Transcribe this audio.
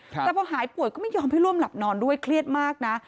แต่พอหายป่วยก็ไม่ยอมให้ร่วมหลับนอนด้วยเครียดมากนะ